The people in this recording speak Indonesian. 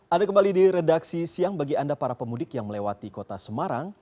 ada kembali di redaksi siang bagi anda para pemudik yang melewati kota semarang